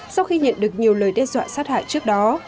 sau khi nhận được nhiều lời đe dọa sát hại trước đó